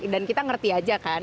dan kita ngerti aja kan